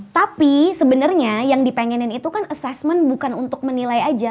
tapi sebenarnya yang dipengenin itu kan assessment bukan untuk menilai aja